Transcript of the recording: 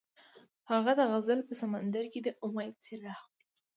هغه د غزل په سمندر کې د امید څراغ ولید.